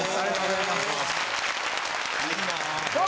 いいなぁ。